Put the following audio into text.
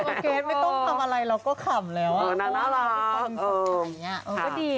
เนื้อออเกตไม่ต้องทำอะไรเราก็ขำก็ได้